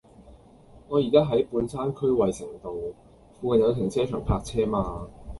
我依家喺半山區衛城道，附近有停車場泊車嗎